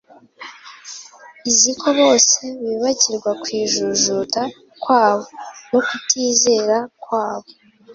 izuko bose bibagirwa kwijujuta kwabo no kutizera kwabo,